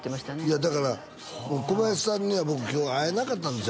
いやだから小林さんには僕今日会えなかったんですよ